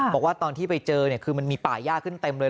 บอกว่าตอนที่ไปเจอมันมีป่าย่ากขึ้นเต็มเลย